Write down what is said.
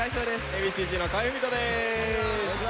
Ａ．Ｂ．Ｃ−Ｚの河合郁人です。